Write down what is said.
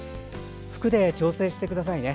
服で調節してくださいね。